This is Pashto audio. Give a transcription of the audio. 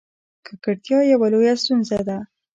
ککړتیا یوه لویه ستونزه ده.